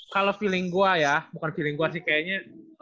kalo feeling gua ya bukan feeling gua sih kayaknya